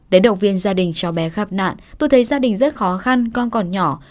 để động viên gia đình cháu bé khắp nạn tôi thấy gia đình rất khó khăn con còn nhỏ